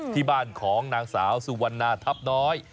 ที่บ้านของนางสาวสุวรรณาทัพน้อย